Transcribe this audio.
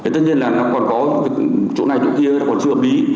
tất nhiên là nó còn có chỗ này chỗ kia nó còn chưa ẩm lý